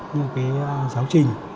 những cái giáo trình